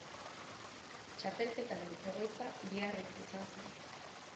Txapelketaren egoitza Biarritz izan zen.